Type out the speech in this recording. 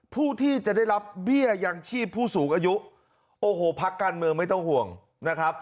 ผู้ที่จะได้รับเบี้ยยังชีพผู้สูงอายุโอ้โหพักการเมืองไม่ต้องห่วงนะครับ